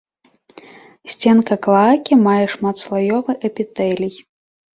Сценка клаакі мае шматслаёвы эпітэлій.